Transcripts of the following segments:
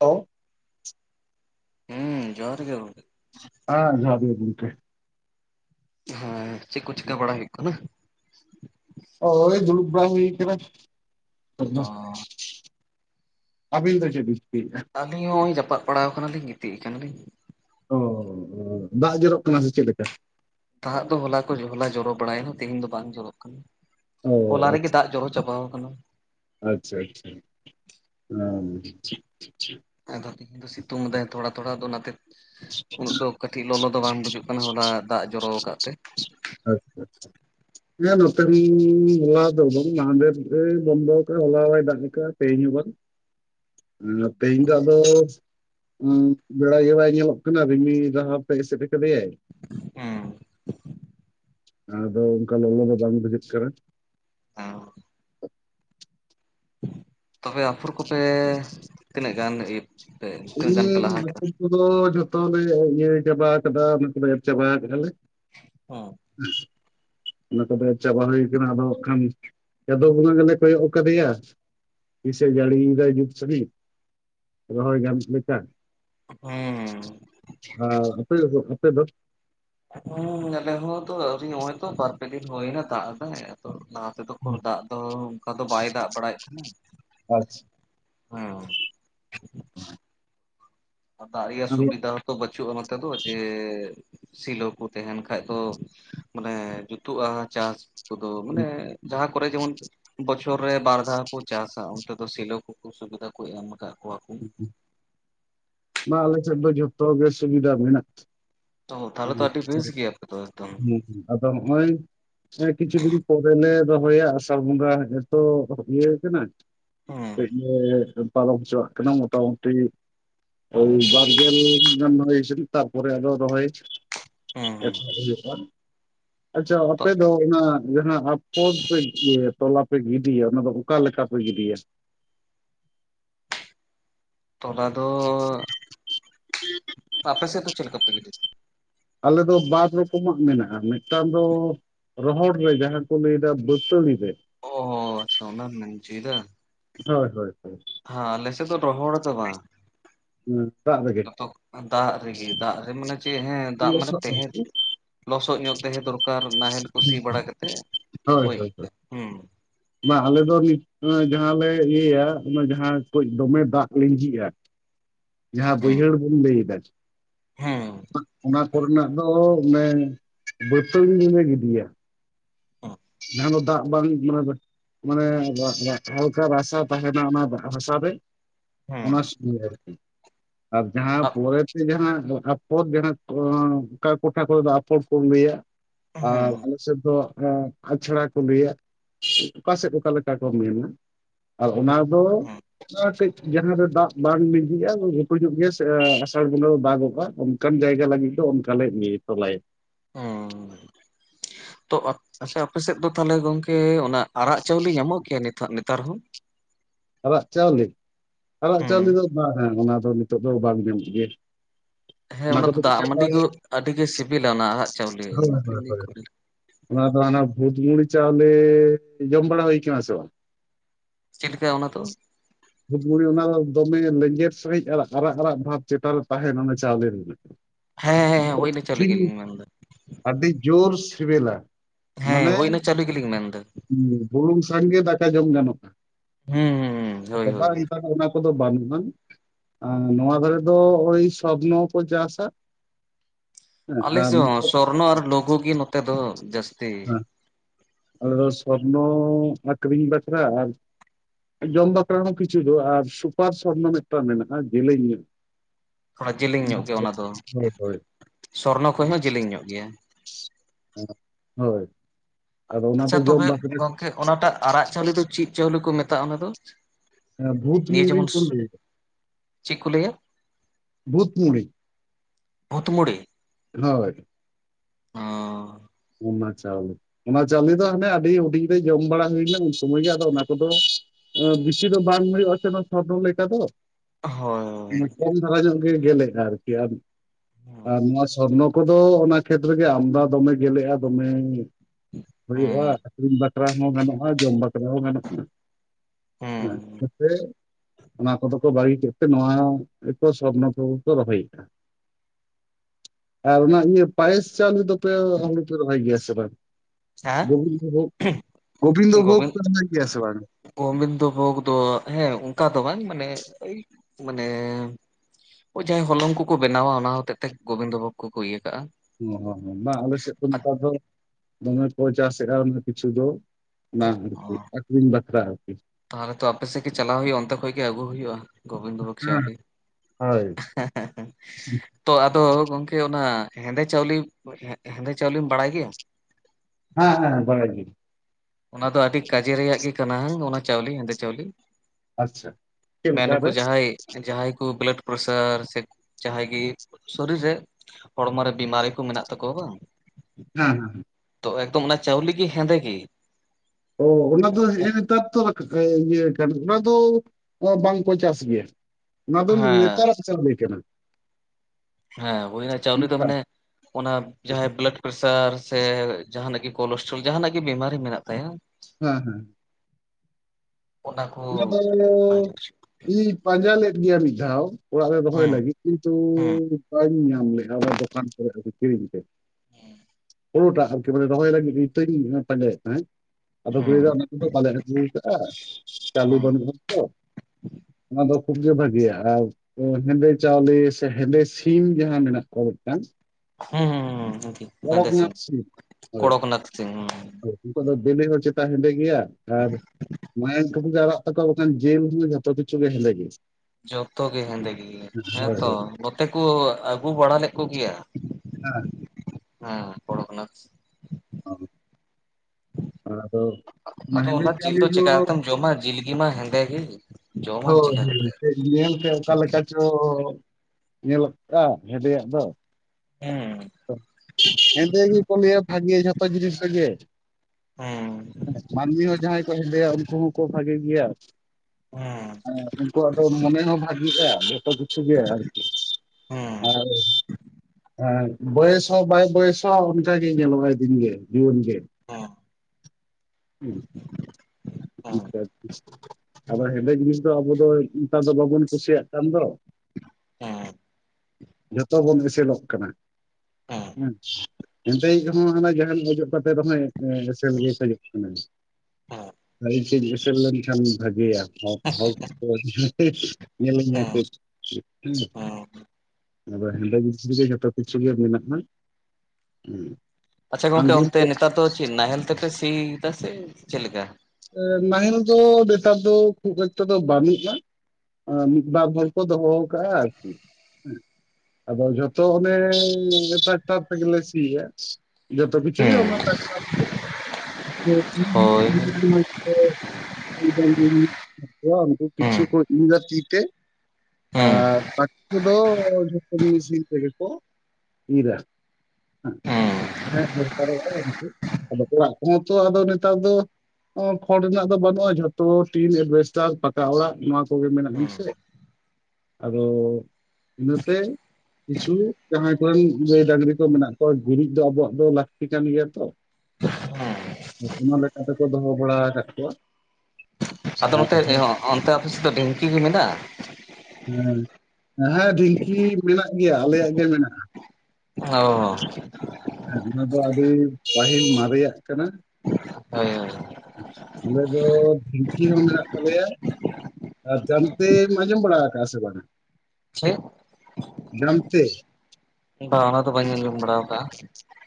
Hello. ᱦᱩᱸ ᱡᱚᱦᱟᱨ ᱜᱮ ᱜᱚᱝᱠᱮ᱾ ᱦᱟᱸ ᱡᱚᱦᱟᱨ ᱜᱮ ᱜᱚᱢᱠᱮ᱾ ᱦᱳᱭ ᱪᱮᱫ ᱠᱚ ᱪᱤᱠᱟᱹ ᱵᱟᱲᱟ ᱦᱩᱭᱩᱜ ᱠᱟᱱᱟ? ᱳᱭ ᱫᱩᱲᱩᱯ ᱵᱟᱲᱟ ᱦᱩᱭ ᱠᱟᱱᱟ ᱚ [unintelligible] ᱟᱵᱤᱱ ᱫᱚ ᱪᱮᱫ ᱵᱤᱱ ᱪᱤᱠᱟ ᱭᱮᱫᱼᱟ? ᱟᱹᱞᱤᱧ ᱦᱚᱸᱜᱼᱚᱭ ᱡᱟᱯᱟᱜ ᱵᱟᱲᱟᱣ ᱠᱟᱱᱟᱞᱤᱧ ᱜᱤᱛᱤᱡ ᱠᱟᱱᱟ ᱞᱤᱧ᱾ ᱚ ᱫᱟᱜ ᱡᱚᱨᱚᱜ ᱠᱟᱱᱟ ᱥᱮ ᱪᱮᱫ ᱞᱮᱠᱟ? ᱫᱟᱦᱟᱜ ᱫᱚ ᱦᱚᱞᱟ ᱠᱚ ᱦᱚᱞᱟ ᱡᱚᱨᱚ ᱵᱟᱲᱟᱭ ᱱᱟ ᱛᱮᱦᱤᱧ ᱫᱚ ᱵᱟᱝ ᱡᱚᱨᱚ ᱠᱟᱱᱟ᱾ ᱚ ᱦᱚᱞᱟ ᱨᱮᱜᱮ ᱫᱟᱜ ᱡᱚᱨᱚ ᱪᱟᱵᱟᱣ ᱠᱟᱱᱟ᱾ ᱟᱪᱪᱷᱟ ᱟᱪᱪᱷᱟ ᱦᱚᱸᱭ ᱟᱫᱚ ᱛᱮᱦᱤᱧ ᱫᱚ ᱥᱤᱛᱩᱝ ᱮᱫᱟ ᱛᱷᱚᱲᱟ ᱛᱷᱚᱲᱟ ᱫᱚ ᱚᱱᱟᱛᱮ ᱩᱱᱟᱹᱜ ᱫᱚ ᱠᱟᱹᱴᱤᱡ ᱞᱚᱞᱚ ᱫᱚ ᱵᱟᱝ ᱵᱩᱡᱩᱜ ᱠᱟᱱᱟ᱾ ᱦᱚᱞᱟ ᱫᱟᱜ ᱡᱚᱨᱚ ᱟᱠᱟᱫ ᱛᱮ, ᱟᱪᱪᱷᱟ ᱟᱪᱪᱷᱟ ᱦᱮᱸ ᱱᱚᱛᱮᱱ ᱦᱚᱞᱟ ᱫᱚ ᱵᱟᱝ ᱢᱟᱦᱫᱮᱨ ᱵᱚᱱᱫᱚ ᱟᱠᱟᱟᱜᱼᱟ, ᱦᱚᱞᱟ ᱵᱟᱭ ᱫᱟᱜ ᱟᱠᱟᱫᱼᱟ ᱛᱮᱦᱮᱧ ᱦᱚᱸ ᱵᱟᱝ᱾ ᱛᱮᱦᱮᱧ ᱫᱚ ᱟᱫᱚ ᱦᱩᱸ ᱵᱮᱲᱟᱭ ᱜᱮ ᱵᱟᱭ ᱧᱮᱞᱚᱜ ᱠᱟᱱᱟ ᱨᱤᱢ ᱰᱟᱦᱟᱨ ᱛᱮᱭ ᱮᱥᱮᱫ ᱠᱟᱫᱮᱭᱟᱭ᱾ ᱦᱩᱸ ᱟᱫᱚ ᱚᱱᱠᱟ ᱞᱚᱞᱚ ᱫᱚ ᱵᱟᱝ ᱵᱩᱡᱩᱜ ᱠᱟᱱᱟ᱾ [unintelligible] ᱛᱚᱵᱮ ᱟᱯᱷᱚᱨ ᱠᱚᱯᱮ ᱛᱤᱱᱟᱹᱜ ᱜᱟᱱ ᱛᱤᱱᱟᱹᱜ ᱜᱟᱱ ᱯᱮ ᱞᱟᱦᱟ ᱠᱮᱫᱟ? ᱫᱚ ᱡᱷᱚᱛᱚ ᱞᱮ ᱤᱭᱟᱹ ᱪᱟᱵᱟ ᱠᱟᱫᱟ ᱢᱚᱛᱞᱚᱵ ᱮᱨ ᱪᱟᱵᱟ ᱠᱟᱫᱟᱞᱮ᱾ ᱚ, [unintelligible] ᱚᱱᱟ ᱠᱚᱫᱚ ᱪᱟᱵᱟ ᱦᱩᱭ ᱠᱟᱱᱟ ᱟᱫᱚ ᱦᱟᱸᱠᱷᱟᱱ ᱪᱟᱸᱫᱳ ᱵᱚᱸᱜᱟ ᱜᱮᱞᱮ ᱠᱚᱭᱚᱜ ᱠᱟᱫᱮᱭᱟ᱾ ᱛᱤᱥᱮ ᱡᱟᱹᱲᱤ ᱭᱮᱫᱟᱭ ᱡᱩᱛ ᱥᱟᱹᱦᱤᱡ ᱨᱚᱦᱚᱭ ᱜᱟᱱᱚᱜ ᱞᱮᱠᱟ? ᱩᱸ ᱦᱩᱸ ᱟᱻ ᱟᱯᱮ ᱫᱚ ᱟᱯᱮ ᱫᱚ, [unintelligible] ᱟᱞᱮ ᱦᱚᱸᱛᱚ ᱟᱹᱣᱨᱤ ᱱᱚᱜᱚᱭ ᱛᱚ ᱵᱟᱨᱯᱮ ᱫᱤᱱ ᱦᱩᱭᱮᱱᱟ ᱫᱟᱜ ᱫᱟᱭ ᱟᱫᱚ ᱱᱟᱜ ᱱᱚᱛᱮ ᱫᱚ ᱫᱟᱜ ᱫᱚ ᱚᱱᱠᱟ ᱫᱚ ᱵᱟᱭ ᱫᱟᱜ ᱵᱟᱲᱟᱭᱮᱫ ᱛᱟᱦᱮᱸᱱᱟ ᱟᱪᱪᱷᱟ ᱦᱩᱸ ᱾ ᱟᱨ ᱫᱟᱜ ᱨᱮᱭᱟᱜ ᱥᱩᱵᱤᱫᱟ ᱦᱚᱸᱛᱚ ᱵᱟᱹᱪᱩᱜ-ᱟ ᱱᱚᱛᱮ ᱫᱚ ᱡᱮ ᱥᱤᱞᱚ ᱠᱚ ᱛᱟᱦᱮᱱ ᱠᱷᱟᱡ ᱫᱚ ᱢᱟᱱᱮ ᱡᱩᱛᱩᱜ-ᱟ ᱪᱟᱥ ᱠᱚᱫᱚ ᱢᱟᱱᱮ ᱡᱟᱦᱟᱸ ᱠᱚᱨᱮ ᱡᱮᱢᱚᱱ ᱵᱚᱪᱷ ᱪᱚ ᱨᱮ ᱵᱟᱨ ᱫᱷᱟᱣ ᱠᱚ ᱪᱟᱥᱟ ᱚᱱᱛᱮ ᱫᱚ ᱥᱮᱞᱳ ᱠᱚᱠᱚ ᱥᱩᱵᱤᱫᱟ ᱠᱚ ᱮᱢ ᱠᱟᱫ ᱠᱚᱣᱟ᱾ ᱠᱚ ᱵᱟᱝ ᱟᱞᱮ ᱥᱮᱫ ᱫᱚ ᱡᱷᱚᱛᱚ ᱜᱮ ᱥᱩᱵᱤᱫᱷᱟ ᱢᱮᱱᱟᱜ ᱛᱚ ᱛᱟᱦᱚᱞᱮ ᱛᱚ ᱟᱹᱰᱤ ᱵᱮᱥ ᱜᱮᱭᱟ ᱛᱚ ᱮᱫᱚᱢ᱾ ᱟᱫᱚ ᱱᱚᱸᱜ-ᱚᱭ ᱦᱮᱸ ᱠᱤᱪᱷᱩ ᱫᱤᱱ ᱯᱚᱨᱮᱞ ᱞᱮ ᱨᱚᱦᱚᱭᱟ ᱟᱥᱟᱲ ᱵᱚᱸᱜᱟ ᱦᱮᱜ ᱮ ᱛᱚ ᱤᱭᱟᱹᱣ ᱠᱟᱱᱟ, ᱦᱮᱸ ᱠᱟᱹᱡ ᱞᱮ ᱯᱟᱨᱚᱢ ᱦᱚᱪᱚᱣᱟᱜ ᱠᱟᱱᱟ ᱢᱳᱚᱴᱟᱢᱩᱴᱤ ᱳᱭ ᱵᱟᱨᱜᱮᱞ ᱜᱟᱱ ᱦᱳᱭ ᱦᱚᱪᱚᱱ ᱛᱟᱯᱚᱨᱮ ᱟᱫᱚ ᱨᱚᱦᱚᱭ ᱦᱮᱸ [unintelligible] ᱟᱪᱷᱟ ᱛᱚ ᱟᱯᱮ ᱫᱚ ᱚᱱᱟ ᱡᱟᱦᱟᱸ ᱟᱯᱷᱚᱨ ᱯᱮ ᱛᱚᱞᱟ ᱯᱮ ᱜᱤᱰᱤᱭᱟ ᱚᱱᱟ ᱫᱚ ᱚᱠᱟ ᱞᱮᱠᱟ ᱯᱮ ᱜᱤᱰᱤᱭᱟ? ᱛᱚᱞᱟ ᱫᱚ ᱟᱯᱮ ᱥᱮᱫ ᱫᱚ ᱪᱮᱫ ᱞᱮᱠᱟᱯᱮ ᱜᱤᱰᱤ? ᱟᱞᱮ ᱫᱚ ᱵᱟᱨ ᱨᱚᱠᱚᱢᱟᱜ ᱢᱮᱱᱟᱜ-ᱟ, ᱢᱮᱫᱴᱟᱱ ᱫᱚ ᱨᱚᱦᱚᱲ ᱨᱮ ᱡᱟᱦᱟᱸ ᱠᱚ ᱞᱟᱹᱭ ᱫᱟ ᱵᱟᱹᱛᱟᱹᱲᱤ ᱨᱮ ᱚᱻ ᱟᱪᱪᱷᱟ ᱚᱱᱟᱢ ᱢᱮᱱ ᱦᱚᱪᱚᱭ ᱫᱟ᱾ ᱦᱳᱭ ᱦᱳᱭ ᱦᱳᱭ᱾ ᱦᱟᱸ ᱟᱞᱮᱥᱮ ᱫᱚ ᱨᱚᱦᱚᱲ ᱫᱚ ᱵᱟ, ᱫᱟᱜ ᱨᱮᱜᱮ ᱡᱚᱛᱚ ᱫᱟᱜ ᱨᱮᱜᱮ ᱫᱟᱜ ᱨᱮ ᱢᱟᱱᱮ ᱪᱮᱜ ᱦᱮᱸ ᱫᱟᱜ ᱢᱟᱱᱮ ᱞᱚᱥᱚᱫ ᱛᱮᱦᱮ ᱟᱨᱠᱤ ᱞᱚᱥᱚᱫ ᱧᱚᱜ ᱛᱟᱦᱮᱸ ᱫᱚᱨᱠᱟᱨ ᱱᱟᱦᱮᱞ ᱠᱩ ᱥᱤ ᱵᱟᱲᱟ ᱠᱟᱛᱮᱜ ᱦᱳᱭ ᱦᱩᱸ᱾ ᱢᱟ ᱟᱞᱮ ᱫᱚ ᱱᱤᱛ ᱡᱟᱦᱟᱸ ᱞᱮ ᱤᱭᱟᱹᱭᱟ ᱚᱱᱟ ᱡᱟᱦᱟᱸ ᱠᱟᱹᱡ ᱫᱚᱢᱮ ᱫᱟᱜ ᱞᱤᱸᱡᱤᱜ-ᱟ ᱡᱟᱦᱟᱸ ᱦᱩᱸ ᱵᱟᱹᱭᱦᱟᱹᱲ ᱵᱚᱱ ᱞᱟᱹᱭ ᱫᱟ ᱦᱩᱸ ᱚᱱᱟ ᱠᱚᱨᱮᱱᱟᱜ ᱫᱚ ᱚᱱᱮ ᱵᱟᱹᱛᱟᱹᱲᱤ ᱨᱮᱜᱮ [unintelligible] ᱠᱚ ᱜᱤᱫᱤᱭᱟ᱾ [inaudible] ᱱᱟ ᱫᱚ ᱫᱟᱜ ᱵᱟᱝ ᱢᱟᱱᱮ ᱢᱟᱱᱮ ᱨᱟᱜ ᱨᱟᱜ ᱦᱟᱞᱠᱟ ᱨᱟᱥᱟ ᱛᱟᱦᱮᱱᱟ ᱚᱱᱟ ᱵᱷᱟᱥᱟ ᱨᱮ᱾ [unintelligible] ᱦᱩᱸ ᱟᱨᱠᱤ ᱟᱨ ᱡᱟᱦᱟᱸ ᱯᱚᱨᱮᱛᱮ ᱡᱟᱦᱟᱸ ᱯᱚᱫ ᱡᱟᱦᱟᱸ ᱚᱠᱟ ᱠᱚᱴᱷᱟ ᱠᱚᱨᱮ ᱫᱚ ᱟᱯᱷᱚᱨ ᱠᱚ ᱞᱟᱹᱭᱟ, ᱟᱨ ᱟᱞᱮ ᱥᱮᱫ ᱫᱚ ᱮᱸᱫ ᱟᱪᱷᱲᱟ ᱠᱚ ᱞᱟᱹᱭᱟ [unintelligible] ᱚᱠᱟ ᱥᱮᱫ ᱫᱚ ᱛᱟᱞᱮ ᱚᱠᱟ ᱠᱚ ᱢᱮᱱᱟ᱾ ᱟᱨ ᱚᱱᱟ ᱫᱚ ᱦᱩᱸ ᱚᱱᱟ ᱠᱟᱹᱡ ᱡᱟᱦᱟᱸ ᱨᱮ ᱫᱟᱜ ᱵᱟᱝ ᱯᱤᱡᱤᱜ-ᱟ ᱜᱷᱩᱴᱩ ᱧᱚᱜ ᱜᱮᱭᱟ ᱥᱮ ᱟᱥᱟᱲ ᱵᱚᱸᱜᱟᱹ ᱫᱚ ᱫᱟᱜᱚᱜ-ᱟ ᱚᱱᱠᱟᱱ ᱡᱟᱭᱜᱟ ᱞᱟᱹᱜᱤᱫ ᱫᱚ ᱚᱱᱠᱟ ᱞᱮ ᱤᱭᱟᱹ ᱛᱚᱞᱟᱭᱟ᱾ [inaudible] ᱟᱪᱪᱷᱟ ᱟᱯᱮᱥᱮᱫ ᱫᱚ ᱛᱟᱦᱞᱮ ᱜᱚᱝᱠᱮ ᱚᱱᱟ ᱟᱨᱟᱜ ᱪᱟᱣᱞᱤ ᱧᱟᱢᱚᱜ ᱜᱮᱭᱟ ᱱᱮᱛᱷᱟ ᱱᱮᱛᱟᱨ ᱦᱚᱸ? ᱟᱨᱟᱜ ᱪᱟᱣᱞᱮ ᱟᱨᱟᱜ ᱪᱟᱣᱞᱮ ᱦᱩᱸ ᱫᱚ ᱵᱟᱝ ᱦᱮᱸ ᱚᱱᱟ ᱫᱚ ᱱᱤᱛᱳᱜ ᱫᱚ ᱵᱟᱝ ᱧᱟᱢᱚᱜ ᱜᱮᱭᱟ᱾ ᱦᱮᱸ ᱚᱱᱟ ᱫᱚ ᱠᱚᱫᱚ ᱠᱚ ᱫᱟᱜ ᱪᱟᱵᱟ ᱢᱟᱹᱰᱤ ᱦᱳᱭ ᱜᱮ ᱟᱹᱰᱤ ᱜᱮ ᱥᱤᱵᱤᱞᱟ ᱚᱱᱟ ᱟᱨᱟᱜ ᱪᱟᱣᱞᱮ ᱾ ᱚᱱᱟ ᱦᱳᱭ ᱛᱮᱧ ᱦᱳᱭ ᱠᱩᱞᱤ ᱚᱱᱟ ᱫᱚ ᱦᱟᱱᱟ ᱵᱷᱩᱛ ᱢᱩᱲᱤ ᱪᱟᱣᱞᱮ ᱡᱚᱢ ᱵᱟᱲᱟ ᱦᱩᱭ ᱠᱟᱱᱟ ᱥᱮ ᱵᱟᱝ? ᱪᱮᱫ ᱞᱮᱠᱟ ᱚᱱᱟ ᱫᱚ? [inaudible] ᱵᱷᱩᱛᱢᱩᱲᱤ ᱚᱱᱟ ᱫᱚᱢᱮ ᱞᱮᱸᱡᱮᱫ ᱥᱟᱺᱦᱤᱡ ᱟᱨᱟᱜ ᱟᱨᱟᱜ ᱵᱷᱟᱯ ᱪᱮᱴᱟᱨᱮ ᱛᱟᱦᱮᱱᱟ ᱚᱱᱟ ᱪᱟᱣᱞᱮ ᱨᱮ ᱾ ᱦᱮᱸ ᱦᱮᱸ ᱦᱳᱭ ᱤᱱᱟ ᱪᱟᱣᱞᱮ ᱜᱮᱞᱤᱧ ᱢᱮᱱ ᱫᱟ ᱾ ᱟᱹᱰᱤ ᱡᱳᱨ ᱥᱤᱵᱤᱞᱟ ᱦᱮᱸ ᱢᱟᱱᱮ, ᱦᱩᱭᱱᱟ ᱪᱟᱣᱞᱮ ᱜᱮᱞᱤᱧ ᱢᱮᱱᱫᱟ ᱵᱩᱞᱩᱝ ᱥᱟᱝ ᱜᱮ ᱫᱟᱠᱟ ᱡᱚᱢ ᱜᱟᱱᱚᱜᱼᱟ ᱾ ᱦᱮᱸ ᱵᱟᱝ ᱠᱷᱟᱱ ᱚᱱᱟ ᱠᱚᱫᱚ ᱵᱟᱱᱩᱜ-ᱟ᱾ ᱱᱚᱣᱟ ᱠᱚᱨᱮ ᱫᱚ ᱳᱭ ᱥᱚᱨᱱᱚ ᱠᱚ ᱪᱟᱥᱟ ᱾ ᱟᱞᱮ ᱥᱮᱜ ᱦᱚᱸ ᱥᱚᱨᱱᱚ ᱟᱨ ᱞᱩᱜᱩ ᱜᱮ ᱱᱚᱛᱮ ᱫᱚ ᱡᱟᱹᱥᱛᱤ ᱾ ᱦᱮᱸ ᱟᱞᱮ ᱫᱚ ᱥᱚᱨᱱᱚ ᱟᱹᱠᱷᱨᱤᱧ ᱵᱟᱠᱷᱨᱟ ᱟᱨ, ᱡᱚᱢ ᱵᱟᱠᱷᱨᱟ ᱦᱚᱸ ᱠᱤᱪᱷᱩ ᱫᱚ ᱟᱨ ᱥᱩᱯᱟᱨ ᱥᱚᱨᱱᱚ ᱢᱤᱫᱴᱟᱝ ᱢᱮᱱᱟᱜᱼᱟ ᱡᱮᱞᱮᱧ ᱧᱮᱞ ᱾ ᱛᱷᱚᱲᱟ ᱡᱮᱞᱮᱧ ᱧᱚᱜ ᱜᱮᱭᱟ ᱚᱱᱟ [unintelligible] ᱫᱚ ᱦᱳᱭ ᱦᱳᱭ ᱥᱚᱨᱱᱚ ᱠᱷᱚᱡ ᱦᱚᱸ ᱡᱮᱞᱮᱧ ᱧᱚᱜ ᱜᱮᱭᱟ ᱾ ᱦᱳᱭ ᱾ ᱟᱪᱪᱷᱟ ᱛᱚᱵᱮ ᱜᱚᱝᱠᱮ ᱚᱱᱟᱴᱟᱜ ᱟᱨᱟᱜ ᱪᱟᱣᱞᱮ ᱫᱚ ᱪᱮᱫ ᱪᱟᱣᱞᱮ ᱠᱚ ᱢᱮᱛᱟᱜᱼᱟ ᱚᱱᱟ ᱫᱚ? ᱵᱷᱩᱛ ᱱᱤᱭᱟᱹ ᱢᱩᱬᱤ ᱡᱮᱢᱚᱱ ᱠᱚ ᱞᱟᱹᱭᱟ, ᱪᱮᱫ ᱠᱚ ᱞᱟᱹᱭᱟ ᱵᱷᱩᱛ ᱢᱩᱬᱤ ᱾ ᱵᱷᱩᱛᱢᱩᱲᱤ ᱾ ᱦᱳᱭ ᱾ ᱚᱱᱟ ᱪᱟᱣᱞᱮ ᱚᱱᱟ ᱪᱟᱣᱞᱮ ᱫᱚ ᱦᱟᱱᱮ ᱟᱹᱰᱤ ᱦᱩᱰᱤᱧ ᱨᱮ ᱡᱚᱢ ᱵᱟᱲᱟ ᱦᱩᱭ ᱞᱮᱱᱟ, ᱩᱱ ᱥᱚᱢᱚᱭ ᱜᱮ ᱟᱫᱚ ᱚᱱᱟ ᱠᱚᱫᱚ ᱵᱮᱥᱤ ᱫᱚ ᱵᱟᱝ ᱦᱩᱭᱩᱜ ᱟᱥᱮ ᱱᱚᱣᱟ ᱥᱚᱨᱱᱚ ᱞᱮᱠᱟ ᱫᱚ ᱾ ᱦᱳᱭ ᱠᱚᱢ ᱫᱷᱟᱨᱟ ᱧᱚᱜ ᱜᱮ ᱜᱮᱞᱮᱜᱼᱟ ᱟᱨᱠᱤ ᱟᱨ ᱟᱨ ᱱᱚᱣᱟ ᱥᱚᱨᱱᱚ, ᱟᱠᱚ ᱫᱚ ᱚᱱᱟ ᱠᱷᱮᱛᱨᱮ ᱜᱮ ᱟᱢᱫᱟ ᱫᱚᱢᱮ ᱜᱮᱞᱮᱜᱼᱟ ᱫᱚᱢᱮ ᱦᱩᱭᱩᱜᱼᱟ, ᱦᱩᱸ ᱟᱹᱠᱷᱨᱤᱧ ᱵᱟᱠᱷᱨᱟ ᱾ ᱵᱟᱠᱷᱨᱟ ᱦᱚᱸ ᱜᱟᱱᱚᱜᱼᱟ, ᱡᱚᱢ ᱵᱟᱠᱷᱨᱟ ᱦᱚᱸ ᱜᱟᱱᱚᱜᱼᱟ, ᱦᱮᱸ ᱦᱩᱸ [unintelligible] ᱚᱱᱟ ᱠᱚᱫᱚ ᱠᱚ ᱵᱟᱹᱜᱤ ᱠᱮᱫ ᱛᱮ ᱱᱚᱣᱟ ᱠᱚ ᱥᱚᱨᱱᱚ ᱠᱚ ᱠᱚ ᱨᱚᱦᱚᱭᱮᱫᱼᱟ ᱾ ᱟᱨ ᱚᱱᱟ ᱤᱭᱟᱹ ᱯᱟᱭᱮᱥ ᱪᱟᱣᱞᱮ ᱫᱚ ᱯᱮ ᱦᱳᱲᱳ ᱯᱮ ᱨᱚᱦᱚᱭ ᱜᱮᱭᱟ ᱥᱮ ᱵᱟᱝ? ᱦᱮᱸ ᱜᱳᱵᱤᱱᱫᱚ ᱵᱷᱳᱜ ᱜᱳᱵᱤᱱᱫᱚ ᱵᱷᱳᱜᱽ ᱜᱳᱵᱤᱱ ᱯᱮ ᱨᱚᱦᱚᱭ ᱜᱮᱭᱟ ᱥᱮ ᱵᱟᱝ? ᱜᱳᱵᱤᱱᱫᱚ ᱵᱷᱳᱜᱽ ᱫᱚ ᱦᱮᱸ ᱚᱱᱠᱟ ᱫᱚ ᱵᱟᱝ ᱢᱟᱱᱮ ᱳᱭ ᱢᱟᱱᱮ, ᱡᱟᱸᱦᱟᱸᱭ ᱦᱚᱞᱚᱝ ᱠᱚᱠᱚ ᱵᱮᱱᱟᱣᱟ ᱚᱱᱟ ᱦᱚᱛᱮᱜ ᱛᱮ ᱜᱳᱵᱤᱱᱫᱚ ᱵᱷᱳᱜ ᱠᱚ ᱠᱚ ᱤᱭᱟᱹ ᱠᱟᱜᱼᱟ ᱾ ᱚᱦ ᱵᱟᱝ ᱟᱞᱮ ᱥᱮᱫ ᱫᱚ ᱱᱮᱛᱟᱨ ᱫᱚ ᱫᱚᱢᱮ ᱠᱚ ᱪᱟᱥ ᱮᱫᱼᱟ ᱚᱱᱮ ᱠᱤᱪᱷᱩ ᱫᱚ‌᱾ ᱵᱟᱝ ᱚ ᱟᱠᱷᱨᱤᱧ ᱵᱟᱠᱷᱨᱟ ᱟᱨᱠᱤ᱾ ᱛᱟᱦᱚᱞᱮ ᱛᱚ ᱟᱯᱮ ᱥᱮᱜ ᱜᱮ ᱪᱟᱞᱟᱣ ᱦᱩᱭᱩᱜᱼᱟ, ᱚᱱᱛᱮ ᱠᱷᱚᱱ ᱜᱮ ᱟᱹᱜᱩ ᱦᱩᱭᱩᱜᱼᱟ ᱜᱳᱚᱵᱤᱱᱫᱚ ᱵᱷᱳᱜ ᱦᱮᱸ ᱪᱟᱣᱞᱤ ᱾ ᱦᱳᱭ ᱾ ᱛᱚ ᱟᱫᱚ ᱜᱚᱝᱠᱮ ᱚᱱᱟ ᱦᱮᱸᱫᱮ ᱪᱟᱣᱞᱮ ᱦᱮᱸᱫᱮ ᱪᱟᱣᱞᱮᱢ ᱵᱟᱲᱟᱭ ᱜᱮᱭᱟ? ᱦᱮᱸ ᱦᱮᱸ ᱵᱟᱲᱟᱭ ᱜᱤᱭᱟᱹᱧ ᱾ ᱚᱱᱟ ᱫᱚ ᱟᱹᱰᱤ ᱠᱟᱡᱮ ᱨᱮᱭᱟᱜ ᱜᱮ ᱠᱟᱱᱟ, ᱚᱱᱟ ᱪᱟᱣᱞᱮ ᱦᱮᱸᱫᱮ ᱪᱟᱣᱞᱮ ᱾ ᱟᱪᱪᱷᱟ ᱪᱮᱫ ᱢᱮᱱ ᱞᱮᱠᱟ ᱟᱠᱩ ᱨᱮ ᱡᱟᱦᱟᱸᱭ, ᱡᱟᱸᱦᱟᱸᱭ ᱠᱚ ᱵᱮᱞᱟᱰ ᱯᱨᱮᱥᱟᱨ ᱥᱮ ᱡᱟᱸᱦᱟᱸᱭ ᱜᱮ ᱥᱚᱨᱤᱨ ᱨᱮ, ᱦᱚᱲᱢᱚ ᱨᱮ ᱵᱤᱢᱟᱨᱤ ᱠᱚ ᱢᱮᱱᱟᱜ ᱛᱟᱠᱚᱣᱟ ᱵᱟᱝ ᱾ ᱦᱮᱸ ᱦᱮᱸ ᱾ ᱛᱚ ᱮᱠᱫᱚᱢ ᱚᱱᱟ ᱪᱟᱣᱞᱮ ᱜᱮ ᱦᱮᱸᱫᱮ ᱜᱮ ᱾ ᱚ ᱚᱱᱟ ᱫᱚ ᱦᱮᱜ-ᱮ ᱱᱮᱛᱟᱨ ᱛᱚ ᱤᱭᱟᱹ ᱚᱱᱟ ᱫᱚ ᱵᱟᱝᱠᱚ ᱪᱟᱥ ᱜᱮᱭᱟ ᱚᱱᱟ ᱫᱚ ᱦᱮᱸ ᱱᱮᱛᱟᱨ ᱟᱜ ᱪᱟᱣᱞᱮ ᱠᱟᱱᱟ ᱾ ᱦᱮᱸ ᱵᱚᱭᱦᱟ ᱪᱟᱣᱞᱮ ᱫᱚ ᱱᱮᱛᱟᱨ ᱢᱟᱱᱮ, ᱚᱱᱟ ᱡᱟᱸᱦᱟᱸᱭ ᱵᱮᱞᱟᱰ ᱯᱨᱮᱥᱟᱨ ᱥᱮ ᱡᱟᱸᱦᱟᱱᱟᱜ ᱜᱮ ᱠᱳᱞᱮᱥᱴᱨᱚᱞ ᱡᱟᱸᱦᱟᱱᱟᱜ ᱜᱮ ᱵᱤᱢᱟᱨᱤ ᱢᱮᱱᱟᱜ ᱛᱟᱭᱟ ᱾ ᱦᱮᱸ ᱦᱮᱸ ᱾ ᱚᱱᱟ ᱠᱚ ᱾ ᱤᱧᱤᱧ ᱯᱟᱸᱡᱟ ᱞᱮᱫ ᱜᱮᱭᱟ ᱢᱤᱫ ᱫᱷᱟᱣ ᱚᱲᱟᱜ ᱨᱮ ᱨᱚᱦᱚᱭ ᱞᱟᱹᱜᱤᱫ ᱾ ᱠᱤᱱᱛᱩ ᱵᱟᱹᱧ ᱧᱟᱢ ᱞᱮᱫ-ᱟ, ᱚᱱᱟ ᱫᱚᱠᱟᱱ ᱠᱚᱨᱮ ᱟᱨᱠᱤ ᱠᱤᱨᱤᱧ ᱛᱮ᱾ ᱦᱮᱸ ᱦᱳᱲᱳᱴᱟᱜ ᱟᱨᱠᱤ ᱢᱟᱱᱮ ᱨᱚᱦᱚᱭ ᱞᱟᱹᱜᱤᱫ ᱤᱛᱟᱹᱧ ᱯᱟᱸᱡᱟᱭᱮᱫ ᱛᱟᱦᱮᱫ᱾ ᱟᱫᱚ ᱠᱚ ᱞᱟᱹᱭᱮᱫᱟ ᱚᱱᱟ ᱠᱚᱫᱚ ᱵᱟᱞᱮ ᱟᱹᱜᱩ ᱟᱠᱟᱜᱼᱟ᱾ ᱪᱟᱞᱩ ᱵᱟᱱᱩᱜ-ᱟ ᱛᱚ, ᱚᱱᱟ ᱫᱚ ᱠᱷᱩᱵᱜ ᱜᱮ ᱵᱷᱟᱹᱜᱤᱭᱟ ᱟᱨ ᱦᱮᱸᱫᱮ ᱪᱟᱣᱞᱮ ᱥᱮ ᱦᱮᱸᱫᱮ ᱥᱤᱢ ᱡᱟᱸᱦᱟᱸ ᱢᱮᱱᱟᱜ ᱠᱚᱣᱟ ᱢᱤᱫᱴᱟᱝ, ᱦᱩᱸ ᱦᱩᱸ ᱦᱮᱸᱫᱮ ᱥᱤᱢ ᱠᱚᱲᱚᱠᱱᱟᱛᱷ ᱥᱤᱢ ᱦᱩᱸ᱾ ᱩᱱᱠᱩᱭᱟᱜ ᱫᱚ ᱵᱮᱞᱮ ᱦᱚᱸ ᱪᱮᱛᱟᱱ ᱦᱮᱸᱫᱮ ᱜᱮᱭᱟ ᱟᱨ ᱢᱟᱭᱟᱝ ᱴᱩᱠᱩ ᱜᱮ ᱟᱨᱟᱜ ᱛᱟᱠᱚᱭᱟ ᱡᱮᱞ ᱦᱚᱸ ᱡᱷᱚᱛᱚ ᱠᱤᱪᱷᱩ ᱜᱮ ᱦᱮᱸᱫᱮ ᱜᱮᱭᱟ᱾ ᱡᱚᱛᱚ ᱜᱮ ᱦᱮᱸᱫᱮ ᱜᱮ ᱦᱳᱭ ᱦᱳᱭ ᱦᱮᱸᱛᱚ ᱦᱮᱸ ᱱᱚᱛᱮ ᱠᱚ ᱟᱹᱜᱩ ᱵᱟᱲᱟ ᱞᱮᱫ ᱠᱚ ᱜᱮᱭᱟ᱾ ᱦᱮᱸ, ᱦᱮᱸ ᱠᱚᱲᱚᱠᱟᱱᱟ ᱚ ᱟᱫᱚ ᱟᱫᱚ ᱦᱮᱸᱫᱮ ᱚᱱᱟ ᱡᱤᱞ ᱪᱟᱣᱞᱮ ᱫᱚ ᱪᱮᱠᱟ ᱠᱟᱛᱮᱢ ᱡᱚᱢᱟ ᱡᱤᱞᱜᱤ ᱢᱟ ᱦᱮᱸᱫᱮ ᱜᱮ᱾ ᱡᱚᱢᱟᱢ ᱦᱳᱭ, ᱪᱤᱠᱟ ᱦᱮᱸ ᱠᱟᱛᱮ ᱥᱮ ᱧᱮᱞ ᱛᱮ ᱚᱠᱟ ᱞᱮᱠᱟ ᱪᱚ ᱧᱮᱞᱚᱜᱼᱟ ᱦᱮᱸᱫᱮᱭᱟᱜ ᱫᱚ᱾ ᱦᱮᱸ ᱦᱮᱸᱫᱮ ᱜᱮᱠᱚ ᱞᱟᱹᱭᱟ ᱵᱷᱟᱜᱤ ᱡᱷᱚᱛᱚ ᱡᱤᱱᱤᱥ ᱨᱮᱜᱮ ᱦᱩᱸ ᱢᱟᱹᱱᱢᱤ ᱦᱚᱸ ᱡᱟᱸᱦᱟᱸᱭ ᱠᱚ ᱦᱮᱸᱫᱮᱭᱟ ᱩᱱᱠᱩ ᱦᱚᱸᱠᱚ ᱵᱷᱟᱜᱤ ᱜᱮᱭᱟ᱾ ᱦᱩᱸ ᱦᱮᱸ ᱩᱱᱠᱩᱭᱟᱜ ᱫᱚ ᱢᱮᱱᱮ ᱦᱚᱸ ᱵᱷᱟᱜᱤ-ᱟ᱾ ᱡᱚᱛᱚ ᱠᱤᱪᱷᱩ ᱜᱮ ᱟᱨᱠᱤ ᱦᱩᱸ ᱟᱨ, ᱟᱨ ᱦᱮᱸ ᱵᱚᱭᱮᱥ ᱦᱚᱸ ᱵᱟᱭ ᱵᱚᱭᱮᱥᱚᱜ-ᱟ ᱚᱱᱠᱟᱜ ᱜᱮ ᱧᱮᱞᱚᱜᱼᱟᱭ ᱫᱤᱱ ᱜᱮ, ᱡᱤᱭᱚᱱ ᱦᱩ ᱦᱩᱸ ᱦᱩᱸ ᱦᱩᱸ [unintelligible] ᱟᱫᱚ ᱦᱮᱸᱫᱮ ᱡᱤᱱᱤᱥ ᱫᱚ ᱟᱵᱚ ᱫᱚ ᱱᱮᱛᱟᱨ ᱫᱚ ᱵᱟᱵᱚᱱ ᱠᱩᱥᱤᱭᱟᱜ ᱠᱟᱱ ᱫᱚ᱾ ᱦᱮᱸ ᱡᱷᱚᱛᱚ ᱵᱚᱱ ᱮᱥᱮᱞᱚᱜ ᱠᱟᱱᱟ ᱦᱩᱸ ᱦᱮᱸ᱾ ᱦᱮᱸᱫᱮᱭᱤᱡ ᱦᱚᱸ ᱦᱟᱱᱟ ᱡᱟᱦᱟᱱ ᱚᱡᱚᱜ ᱠᱟᱛᱮ ᱨᱮᱦᱚᱸ ᱮᱥᱮᱞ ᱜᱮ ᱠᱷᱚᱡᱚᱜ ᱠᱟᱱᱟ᱾ ᱦᱮᱸ ᱟᱹᱞᱤᱧ ᱥᱮᱱ [unintelligible] ᱮᱥᱮᱞ ᱞᱮᱱᱠᱷᱟᱱ ᱵᱷᱟᱹᱜᱮᱭᱟ [unintelligible] ᱧᱮᱞᱮᱧᱟ ᱠᱟᱹᱡ ᱦᱩᱸ ᱟᱫᱚ ᱦᱮᱸᱫᱮ ᱡᱤᱱᱤᱥ ᱨᱮᱜᱮ ᱡᱚᱛᱚ ᱠᱤᱪᱷᱩ ᱜᱮ ᱢᱮᱱᱟᱜᱼᱟ ᱦᱮᱸ ᱟᱪᱪᱷᱟ ᱜᱚᱝᱠᱮ ᱟᱸᱜᱤᱨ ᱚᱱᱛᱮ ᱠᱚ ᱱᱮᱛᱟᱨ ᱫᱚ ᱪᱮᱫ ᱱᱟᱦᱮᱞ ᱛᱮ ᱯᱮ ᱥᱤ ᱮᱫᱟ ᱥᱮ ᱪᱮᱫ ᱞᱮᱠᱟ? [unintelligible] ᱱᱟᱦᱮᱞ ᱫᱚ ᱱᱮᱛᱟᱨ ᱫᱚ ᱠᱷᱩᱵ ᱮᱠᱴᱟ ᱫᱚ ᱵᱟᱹᱱᱩᱜᱼᱟ᱾ [unintelligible] ᱢᱤᱫ ᱵᱟᱨ ᱦᱚᱲ ᱠᱚ ᱫᱚᱦᱚᱣ ᱠᱟᱜᱼᱟ ᱟᱨᱠᱤ ᱾ [inaudible] ᱟᱫᱚ ᱡᱷᱚᱛᱚ ᱚᱱᱮᱻ ᱴᱨᱟᱠᱴᱟᱨ ᱛᱮᱜᱮᱞᱮ ᱥᱤᱭᱟ ᱾ ᱡᱚᱛᱚ ᱠᱤᱪᱷᱩ ᱜᱮ ᱦᱩᱸ ᱚᱱᱟ ᱴᱨᱟᱠᱴᱟᱨ ᱦᱳᱭ [unintelligible] [unintelligible] ᱩᱱᱠᱩ ᱦᱩᱸ ᱠᱤᱪᱷᱩ ᱠᱚ ᱤᱻᱨᱟ ᱛᱤᱛᱮ ᱾ [inaudible] ᱦᱩᱸ ᱟᱨ ᱵᱟᱠᱤ ᱫᱚ ᱡᱷᱚᱛᱚ ᱜᱮ ᱢᱮᱥᱤᱱ ᱛᱮᱜᱮ ᱠᱚ ᱤᱻᱨᱟ᱾ ᱦᱩᱸ ᱦᱮᱸ ᱦᱮᱸ ᱫᱚᱨᱠᱟᱨᱚᱜᱼᱟ ᱜᱚᱝᱠᱮ ᱟᱨ ᱩᱱᱠᱩ ᱚᱲᱟᱜ ᱠᱚᱦᱚᱸ ᱛᱚ ᱱᱮᱛᱟᱨ ᱫᱚ ᱼᱼ [unintelligible] ᱠᱷᱚᱲ ᱨᱮᱱᱟᱜ ᱫᱚ ᱵᱟᱹᱱᱩᱜᱼᱟ ᱡᱷᱚᱛᱚ ᱴᱤᱱ ᱮᱰᱵᱷᱮᱥᱴᱟᱨ ᱯᱟᱠᱟ ᱚᱲᱟᱜ ᱱᱚᱣᱟ ᱠᱚᱜᱮ ᱢᱮᱱᱟᱜᱼᱟ ᱥᱮ ᱼᱼ [inaudible] ᱟᱫᱚ ᱤᱱᱟᱹᱛᱮ ᱼᱼ ᱠᱤᱪᱷᱩᱭᱟ ᱡᱟᱦᱟᱸᱭ ᱠᱚᱨᱮᱱ ᱜᱟᱹᱭ ᱰᱟᱹᱝᱨᱤ ᱠᱚ ᱢᱮᱱᱟᱜ ᱠᱚᱣᱟ ᱜᱩᱨᱤᱡ ᱫᱚ ᱟᱵᱚᱣᱟᱜ ᱫᱚ ᱞᱟᱹᱠᱛᱤ ᱠᱟᱱ ᱜᱮᱭᱟ ᱛᱚ᱾ ᱦᱩᱸ [inaudible] ᱚᱱᱟ ᱞᱮᱠᱟ ᱛᱮᱠᱚ ᱫᱚᱦᱚ ᱵᱟᱲᱟ ᱟᱠᱟᱫ ᱠᱚᱣᱟ ᱾ [inaudible] ᱟᱫᱚ ᱱᱚᱛᱮ [unintelligible] ᱚᱱᱛᱮ ᱟᱯᱮᱥᱮᱫ ᱫᱚ ᱰᱷᱤᱝᱠᱤ ᱢᱮᱱᱟᱜᱼᱟ᱾ [inaudible] ᱦᱮᱸ ᱦᱮᱸ ᱰᱷᱤᱝᱠᱤ ᱢᱮᱱᱟᱜ ᱜᱮᱭᱟ ᱟᱞᱮᱭᱟᱜ ᱜᱮ ᱢᱮᱱᱟᱜᱼᱟ᱾ ᱚ [inaudible] ᱦᱮᱸ ᱚᱱᱟ ᱫᱚ ᱟᱹᱰᱤ ᱯᱟᱹᱦᱤᱞ ᱢᱟᱨᱮᱭᱟᱜ ᱠᱟᱱᱟ᱾ ᱦᱳᱭ-ᱦᱳᱭ ᱟᱞᱮ ᱫᱚ ᱰᱷᱤᱝᱠᱤ ᱦᱚᱸ ᱢᱮᱱᱟᱜ ᱛᱟᱞᱮᱭᱟ ᱾ ᱟᱨ ᱡᱟᱢᱛᱮᱢ ᱟᱸᱡᱚᱢ ᱵᱟᱲᱟᱣᱜ ᱠᱟᱜᱼᱟ ᱥᱮ ᱵᱟᱝᱟ᱾ ᱪᱮᱫ ᱡᱟᱢᱛᱮ ᱾ ᱵᱟ ᱚᱱᱟ ᱫᱚ ᱵᱟᱹᱧ ᱟᱸᱡᱚᱢ ᱵᱟᱲᱟᱣ ᱠᱟᱜᱼᱟ᱾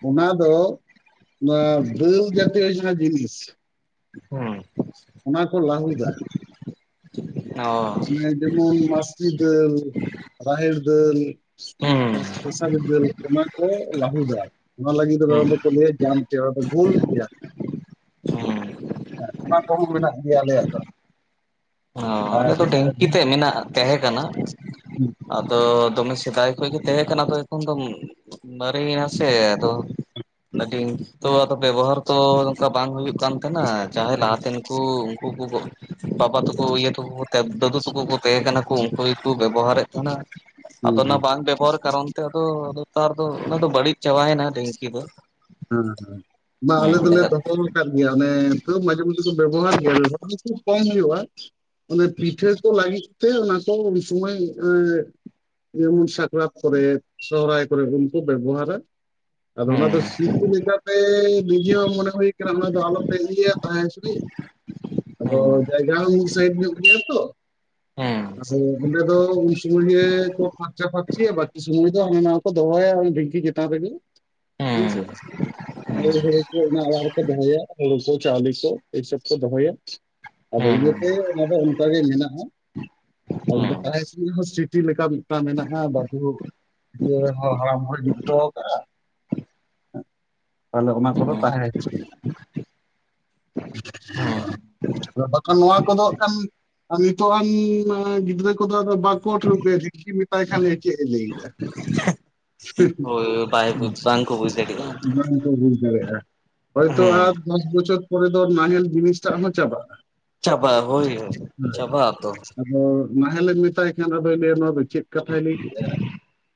ᱚᱱᱟ ᱫᱚ ᱱᱚᱣᱟ ᱫᱟᱹᱞ ᱡᱟᱹᱛᱤᱭᱚ ᱡᱟᱦᱟᱸ ᱡᱤᱱᱤᱥ᱾ [unintelligible] ᱚᱱᱟ ᱠᱚ ᱞᱟᱹᱦᱩᱫᱟ᱾ ᱚ [unintelligible] ᱡᱮᱢᱚᱱ ᱢᱟᱹᱥᱨᱤ ᱫᱟᱹᱞ ᱨᱟᱦᱮᱲ ᱫᱟᱹᱞ᱾ ᱦᱩᱸ [unintelligible] ᱯᱮᱥᱟᱨᱤ ᱫᱟ. ᱞ ᱚᱱᱟ ᱠᱚ ᱞᱟᱹᱦᱩᱫᱟ᱾ ᱚᱱᱟ ᱞᱟᱹᱜᱤᱫ ᱛᱮᱫᱚ ᱦᱩᱸ ᱫᱚᱠᱚ ᱞᱟᱹᱭᱟ ᱡᱟᱢ [unintelligible] ᱫᱚ ᱵᱷᱩᱞ ᱜᱮᱭᱟ᱾ ᱦᱩᱸ ᱦᱮᱸ ᱚᱱᱟ ᱠᱚᱦᱚᱸ ᱢᱮᱱᱟᱜ ᱜᱮᱭᱟ ᱟᱞᱮᱭᱟᱜ ᱫᱚ᱾ ᱚ, ᱟᱨ ᱟᱞᱮ ᱫᱚ ᱰᱷᱤᱝᱠᱤ ᱦᱮᱸ ᱛᱮᱜ ᱢᱮᱱᱟᱜᱼᱟ᱾ ᱛᱮᱦᱮᱸ ᱠᱟᱱᱟ᱾ [inaudible] ᱟᱫᱚ, ᱫᱚᱢᱮ ᱥᱮᱫᱟᱭ ᱠᱷᱚᱡ ᱜᱮ ᱛᱟᱦᱮᱸ ᱠᱟᱱᱟ ᱟᱫᱚ ᱮᱠᱷᱚᱱ ᱫᱚ ᱼᱼ ᱢᱟᱨᱮᱭᱮᱱᱟ ᱥᱮ ᱟᱫᱚ ᱾ ᱰᱷᱤᱝᱠᱤ ᱛᱚ ᱟᱫᱚ ᱵᱮᱵᱚᱦᱟᱨ ᱛᱚ ᱱᱚᱝᱠᱟ ᱵᱟᱝ ᱦᱩᱭᱩᱜ ᱠᱟᱱ ᱛᱟᱦᱮᱱᱟ᱾ ᱡᱟᱦᱟᱸᱭ ᱞᱟᱦᱟᱛᱮᱱ ᱠᱩ ᱩᱱᱠᱩ ᱠᱚ [unintelligible] ᱵᱟᱵᱟ ᱛᱟᱠᱚ ᱤᱭᱟᱹ ᱛᱟᱠᱚᱼᱼ ᱫᱟᱫᱩ ᱛᱟᱠᱚ ᱠᱚ ᱛᱟᱦᱮᱸ ᱠᱟᱱᱟ ᱠᱚ ᱩᱱᱠᱩ ᱜᱮᱠᱚ ᱵᱮᱵᱚᱦᱟᱨᱮᱫ ᱛᱟᱦᱮᱱᱟ ᱟᱫᱚ ᱦᱮᱸ ᱚᱱᱟ ᱵᱟᱝ ᱵᱮᱵᱚᱦᱟᱨ ᱠᱟᱨᱚᱱ ᱼᱼ ᱱᱮᱛᱟᱨ ᱫᱚ ᱟᱫᱚ [unintelligible] ᱫᱚ ᱚᱱᱟ ᱫᱚ ᱵᱟᱹᱲᱤᱡ ᱪᱟᱵᱟᱭᱮᱱᱟ ᱰᱷᱤᱝᱠᱤ ᱫᱚ᱾ ᱦᱮᱸ ᱦᱮᱸ [unintelligible] ᱵᱟ ᱟᱞᱮ ᱦᱩᱸ ᱫᱚᱞᱮ ᱰᱷᱮᱨ ᱫᱚᱼᱼ ᱫᱚᱦᱚᱣᱟᱠᱟᱫ ᱜᱮᱭᱟ ᱚᱱᱮ ᱛᱟ. ᱣ ᱢᱟᱡᱷᱮ ᱢᱚᱫᱽᱫᱷᱮ ᱠᱚ ᱵᱮᱵᱚᱦᱟᱨ ᱜᱮᱭᱟ ᱵᱮᱵᱚᱦᱟᱨ ᱫᱚ ᱠᱷᱩᱵᱽ ᱠᱚᱢ ᱦᱩᱭᱩᱜᱼᱟ᱾ ᱚᱱᱮ ᱯᱤᱴᱷᱟᱹ ᱠᱚ ᱞᱟᱹᱜᱤᱫ ᱛᱮ ᱚᱱᱟ ᱠᱚ ᱩᱱ ᱥᱚᱢᱚᱭ [unintelligible] ᱡᱮᱢᱚᱱ ᱥᱟᱠᱨᱟᱛ ᱠᱚᱨᱮ ᱥᱚᱦᱨᱟᱭ ᱠᱚᱨᱮ ᱩᱱ ᱠᱚ ᱵᱮᱵᱚᱦᱟᱨᱟ ᱟᱫᱚ ᱚᱱᱟ ᱦᱩᱸ ᱫᱚ [unintelligible] ᱞᱮᱠᱟᱛᱮ ᱱᱤᱡᱮ ᱦᱚ ᱢᱚᱱᱮ ᱦᱩᱭ ᱠᱟᱱᱟ ᱚᱱᱟ ᱫᱚ ᱟᱞᱚᱯᱮ ᱤᱭᱟᱹᱭᱟ ᱛᱟᱦᱮᱸ [unintelligible] ᱟᱫᱚ ᱦᱩᱸ ᱡᱟᱭᱜᱟ ᱦᱚᱸ ᱢᱤᱫ ᱥᱟᱭᱤᱰ ᱧᱚᱜ ᱜᱮᱭᱟ ᱛᱚ᱾ ᱟᱫᱚ ᱚᱸᱰᱮ ᱫᱚ ᱩᱱ ᱥᱚᱢᱚᱭ ᱜᱮ ᱠᱚ ᱯᱷᱟᱨᱪᱟ-ᱯᱷᱟᱨᱪᱤᱭᱟ ᱵᱟᱠᱤ ᱥᱚᱢᱚᱭᱼᱼ [unintelligible] ᱦᱟᱱᱟ-ᱱᱷᱟᱣᱟ ᱠᱚ ᱫᱚᱦᱚᱭᱟ ᱰᱷᱤᱝᱠᱤ ᱪᱮᱛᱟᱱ ᱨᱮᱜᱮ ᱦᱩᱸ [inaudible] ᱦᱩᱸ ᱦᱮᱸᱥᱮ᱾ ᱦᱩᱲᱩ ᱠᱚ ᱚᱱᱟ ᱚᱲᱟ ᱨᱮᱠᱚ ᱫᱚᱦᱚᱭᱟ, ᱦᱩᱲᱩ ᱠᱚ, ᱪᱟᱣᱞᱮ ᱠᱚ, ᱮᱭᱥᱚᱵ ᱠᱚ ᱫᱚᱦᱚᱭᱟ᱾ ᱟᱫᱚ ᱦᱩᱸ ᱤᱭᱟᱹᱛᱮ ᱚᱱᱟ ᱫᱚ ᱚᱝᱠᱟᱜᱮ ᱢᱮᱱᱟᱜᱼᱟ, ᱟᱨ ᱛᱟᱦᱮᱸ ᱥᱤᱱᱤ ᱦᱚᱸ ᱥᱤᱴᱤ ᱞᱮᱠᱟ ᱢᱤᱫᱴᱟᱝ ᱢᱮᱱᱟᱜᱼᱟ ᱵᱟᱫᱷᱩ ᱡᱩᱭᱟ ᱦᱚ ᱦᱟᱲᱟᱢ ᱦᱚᱸ ᱡᱩᱫ ᱦᱚᱴᱚ ᱠᱟᱫᱜᱼᱟ᱾ ᱟᱫᱚ ᱚᱱᱟ ᱦᱩᱸ ᱠᱚᱫᱚ ᱦᱩᱸ ᱛᱟᱸᱦᱮᱸ ᱦᱚᱪᱚᱱᱤᱜ᱾ ᱦᱩᱸ ᱵᱟᱠᱷᱟᱱ ᱱᱚᱣᱟ ᱠᱚᱫᱚ ᱦᱟᱸᱜ ᱠᱷᱟᱱ ᱟᱨ ᱱᱤᱛᱚᱜ ᱟᱱ ᱜᱤᱫᱽᱨᱟᱹ ᱠᱚᱫᱚ ᱟᱫᱚ ᱵᱟᱠᱚ ᱴᱷᱟ. ᱣᱠᱟ. ᱭᱟ ᱰᱷᱤᱝᱠᱤᱢ ᱢᱮᱛᱟᱭ ᱠᱷᱟᱱ ᱜᱮ ᱪᱮᱫ ᱮ ᱞᱟᱹᱭ ᱫᱟ᱾ ᱦᱩᱸ᱾ ᱵᱟᱠᱚ ᱵᱩᱡ ᱫᱟᱲᱮᱜᱼᱟ᱾ ᱵᱟᱝᱠᱚ ᱵᱩᱡ ᱫᱟᱲᱮᱜᱼᱟ, ᱦᱳᱭᱛᱚ ᱦᱩᱸ ᱟᱨ ᱫᱚᱥ ᱵᱚᱪᱷᱚᱨ ᱯᱚᱨᱮ ᱫᱚ ᱱᱟᱧᱮᱞ ᱡᱤᱱᱤᱥᱴᱟᱜ ᱦᱚᱸ ᱪᱟᱵᱟᱜᱼᱟ᱾ ᱪᱟᱵᱟᱜᱼᱟ ᱦᱳᱭ ᱦᱳᱭ ᱪᱟᱵᱟᱜ ᱟᱛᱚ᱾ ᱟᱫᱚ ᱱᱟᱦᱮᱞᱮᱢ ᱢᱮᱛᱟᱭ ᱠᱷᱟᱱ ᱟᱫᱚᱭ ᱞᱟᱹᱭᱟ ᱱᱚᱣᱟ ᱫᱚ ᱪᱮᱫ ᱠᱟᱛᱷᱟᱭ ᱞᱟᱹᱭ ᱠᱮᱜᱼᱟ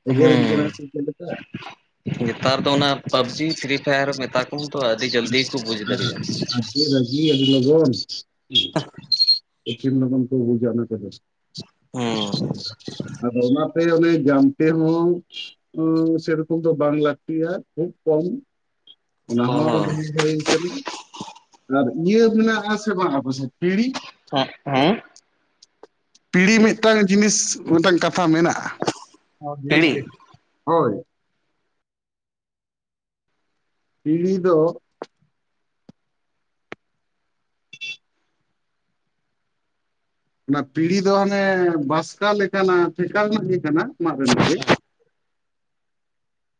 ᱮᱜᱮᱨᱤᱧ ᱠᱟᱱᱟᱭ ᱦᱩᱸ ᱥᱮ ᱪᱮᱫ ᱞᱮᱠᱟ? ᱱᱮᱛᱟᱨ ᱫᱚ ᱚᱱᱟ ᱯᱟᱵᱡᱤ ᱯᱷᱨᱤ ᱯᱷᱟᱭᱟᱨ ᱢᱮᱛᱟ ᱠᱚᱢ ᱛᱚ ᱟᱹᱰᱤ ᱡᱟᱞᱫᱤ ᱠᱚ ᱵᱩᱡ ᱫᱟᱲᱤᱭᱟᱜᱼᱟ᱾ ᱟᱹᱰᱤ ᱨᱟᱹᱜᱤ ᱟᱹᱰᱤ ᱞᱚᱜᱚᱱ᱾ [unintelligible] ᱞᱚᱜᱚᱱ ᱠᱚ ᱵᱩᱡᱟ ᱚᱱᱟ ᱠᱚᱫᱚ᱾ ᱩᱸ᱾ ᱟᱫᱚ ᱚᱱᱟᱛᱮ ᱚᱱᱮ ᱡᱟᱢᱛᱮ ᱦᱚᱸ ᱚ ᱥᱮᱨᱚᱠᱚᱢ ᱫᱚ ᱵᱟᱝ ᱞᱟᱠᱛᱤᱜᱼᱟ ᱠᱷᱩᱵ ᱠᱚᱢ ᱚᱱᱟ ᱦᱚᱸ ᱛᱟᱦᱮᱸ ᱦᱩᱭ ᱠᱟᱱᱟ᱾ ᱟᱨ ᱤᱭᱟᱹ ᱢᱮᱱᱟᱜᱼᱟ ᱥᱮ ᱵᱟᱝ ᱟᱯᱮᱥᱮᱫ ᱯᱤᱲᱦᱤ? ᱦᱮᱸ ᱦᱮᱸ? ᱯᱤᱲᱦᱤ ᱢᱤᱫᱴᱟᱝ ᱡᱤᱱᱤᱥ ᱢᱤᱫᱴᱟᱝ ᱠᱟᱛᱷᱟ ᱢᱮᱱᱟᱜᱼᱟ ᱡᱤᱥ ᱯᱤᱲᱤ ᱜᱮ ᱦᱳᱭ᱾ ᱯᱤᱲᱦᱤ ᱫᱚ ᱚᱱᱟ ᱯᱤᱲᱦᱤ ᱫᱚ ᱦᱟᱸᱱᱮ ᱵᱟᱥᱠᱟ ᱞᱮᱠᱟᱱᱟ ᱴᱷᱮᱠᱟ ᱨᱮᱱᱟᱜ ᱜᱮ ᱠᱟᱱᱟ ᱢᱟᱫ ᱨᱮᱱᱟᱜ ᱜᱮ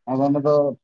ᱟᱫᱚ ᱚᱸᱰᱮ ᱫᱚ